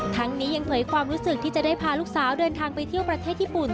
ทั้งนี้ยังเผยความรู้สึกที่จะได้พาลูกสาวเดินทางไปเที่ยวประเทศญี่ปุ่น